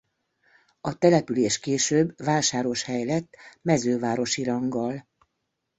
A település később vásáros hely lett mezővárosi ranggal.